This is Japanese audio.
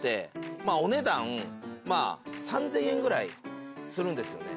まぁお値段３０００円ぐらいするんですよね。